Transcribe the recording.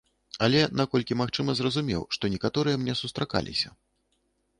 Але, наколькі магчыма, зразумеў, што некаторыя мне сустракаліся.